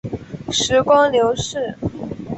时光流逝